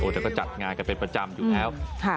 แต่ก็จัดงานกันเป็นประจำอยู่แล้ว